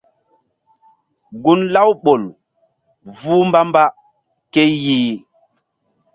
Gun Laouɓol vuh mbamba ke yih.